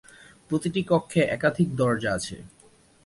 প্রতিটি কক্ষে একাধিক দরজা আছে।